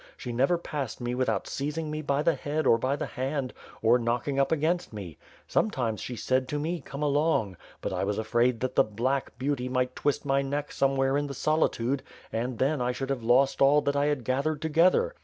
She never passed me without seizing me by the head or by the hand, or knocking up against me. Sometimes she said to me, ^Come along,' but I was afraid that the *black' beauty might twist my neck somewhere in the solitude; and then I should have lost all that I had gathered together.